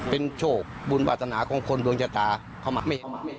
เป็นโชคบูลวาสนาของคนลงจัดสนาม